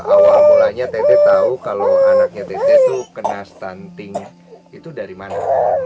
awal mulanya teteh tahu kalau anaknya teteh tuh kena stunting itu dari mana